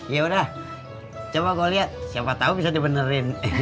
yaudah coba gue liat siapa tau bisa dibenerin